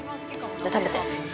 ◆じゃあ、食べて。